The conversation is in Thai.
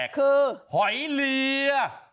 คือหอยเลีย